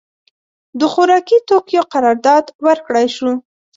د خوارکي توکیو قرارداد ورکړای شوی و.